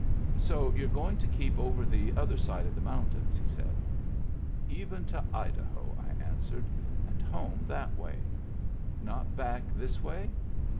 " So you're going to keep over the other side the mountains? " he said. " Even to Idaho," I answered, " and home that way." "Not back this way?"